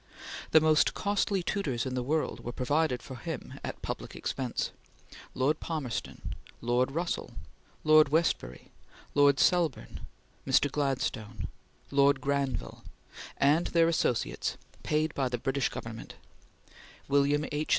The most costly tutors in the world were provided for him at public expense Lord Palmerston, Lord Russell, Lord Westbury, Lord Selborne, Mr. Gladstone, Lord Granville, and their associates, paid by the British Government; William H.